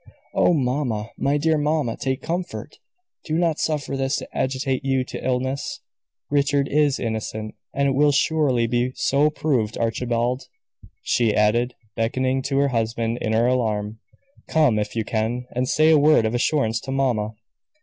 "Oh, mamma, my dear mamma, take comfort! Do not suffer this to agitate you to illness. Richard is innocent, and it will surely be so proved. Archibald," she added, beckoning to her husband in her alarm, "come, if you can, and say a word of assurance to mamma!"